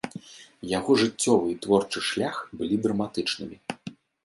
Яго жыццёвы і творчы шлях былі драматычнымі.